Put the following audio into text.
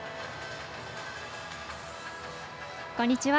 こんにちは。